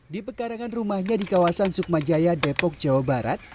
di pekarangan rumahnya di kawasan sukmajaya depok jawa barat